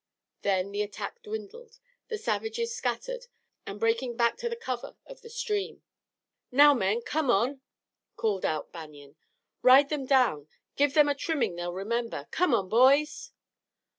Then the attack dwindled, the savages scattering and breaking back to the cover of the stream. "Now, men, come on!" called out Banion. "Ride them down! Give them a trimming they'll remember! Come on, boys!"